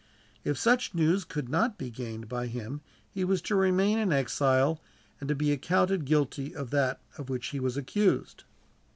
If such news could not be gained by him he was to remain in exile, and to be accounted guilty of that of which he was accused.